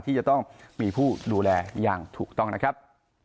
ที่จะต้องมีผู้ดูแลอย่างถูกต้องนะครับ